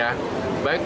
baik bagi negara negara